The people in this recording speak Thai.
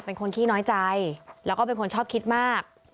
เป็นคนขี้น้อยใจแล้วก็เป็นคนชอบคิดมาก